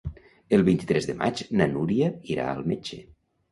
El vint-i-tres de maig na Núria irà al metge.